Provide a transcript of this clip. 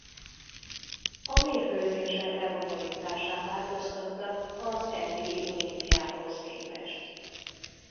A mérkőzések lebonyolításán változtattak az eddigi olimpiákhoz képest.